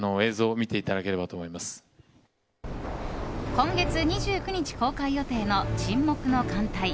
今月２９日公開予定の「沈黙の艦隊」。